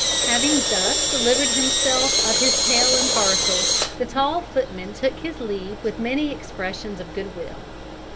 Having thus delivered himself of his tale and parcel, the tall footman took his leave with many expressions of good will.